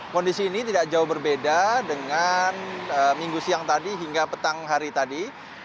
kondisi ini tidak jauh berbeda dengan minggu siang tadi hingga petang hari tadi